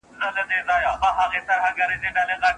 ناپوهه کس ته چارې نه سپارل کېږي.